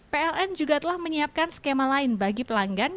pln juga telah menyiapkan skema lain bagi pelanggan